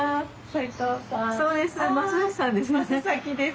そうです。